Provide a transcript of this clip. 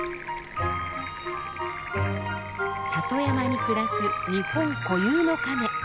里山に暮らす日本固有のカメ。